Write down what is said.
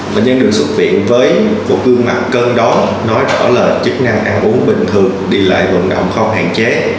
bệnh nhân được xuất viện với một gương mặt cơn đón nói rõ lời chức năng ăn uống bình thường đi lại vận động không hạn chế